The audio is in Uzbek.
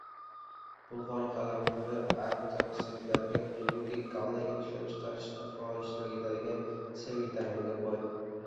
Bulg’ori qalampiri antioksidantlarga, shuningdek, kollagen ishlab chiqarishda faol ishtirok etadigan C vitaminiga boy